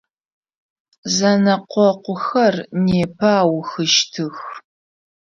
Зэнэкъокъухэр непэ аухыщтых.